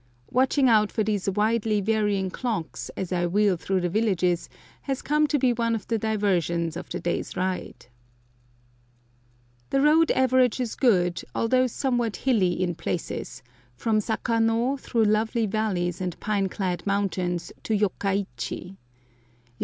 Watching out for these widely varying clocks as I wheel through the villages has come to be one of the diversions of the day's ride. The road averages good, although somewhat hilly in places, from Saka no through lovely valleys and pine clad mountains to Yokka ichi.